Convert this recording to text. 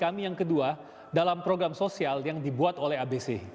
kami yang kedua dalam program sosial yang dibuat oleh abc